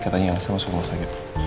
katanya elsa masuk ke rumah sakit